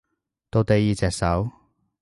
到第二隻手